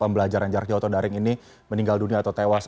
pembelajaran jarak jauh atau daring ini meninggal dunia atau tewas